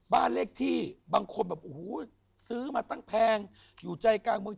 บ้านเลขที่บางคนแบบโอ้โหซื้อมาตั้งแพงอยู่ใจกลางเมือง